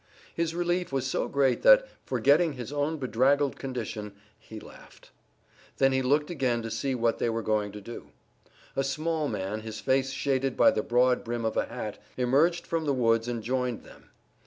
His relief was so great that, forgetting his own bedraggled condition, he laughed. Then he looked again to see what they were going to do. A small man, his face shaded by the broad brim of a hat, emerged from the woods and joined them.